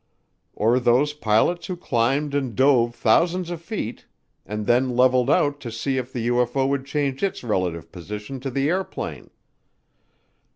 Or those pilots who climbed and dove thousands of feet and then leveled out to see if the UFO would change its relative position to the airplane.